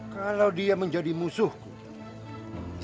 kalau dia menjadi musuhku